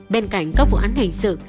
bên cạnh các vụ án hành sự